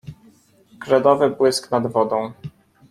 Kredowy błysk nad wodą.